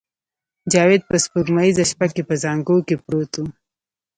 جاوید په سپوږمیزه شپه کې په زانګو کې پروت و